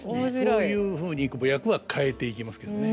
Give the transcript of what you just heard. そういうふうに役は変えていきますけどね